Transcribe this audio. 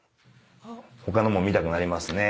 「他のも見たくなりますね」